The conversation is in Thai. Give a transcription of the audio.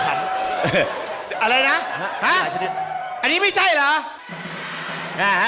อะไรนะชนิดอันนี้ไม่ใช่เหรอ